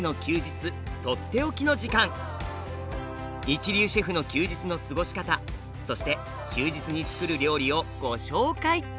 一流シェフの休日の過ごし方そして休日につくる料理をご紹介。